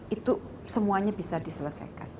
itu semuanya bisa diselesaikan